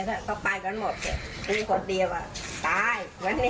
เดี๋ยวถ้าต้องไปกันหมดเดี๋ยวไม่ได้กดเตรียมตายวันเนี้ย